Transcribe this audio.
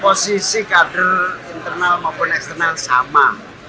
posisi kader internal maupun eksternal sama